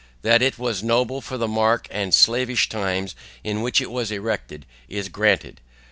That it was noble for the dark and slavish times in which it was erected, is granted.